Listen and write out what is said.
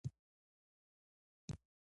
تاسو باید تل خپلو مشرانو ته ډېر درناوی ولرئ.